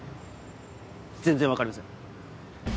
全然分かりません。